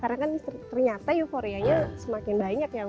karena kan ternyata euforianya semakin banyak ya